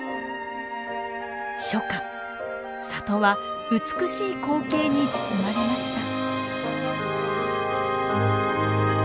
初夏里は美しい光景に包まれました。